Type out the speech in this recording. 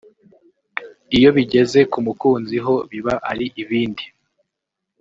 Iyo bigeze ku mukunzi ho biba ari ibindi